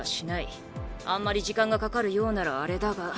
あんまり時間がかかるようならあれだが。